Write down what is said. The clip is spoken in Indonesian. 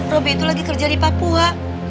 robe itu lagi kerja di papua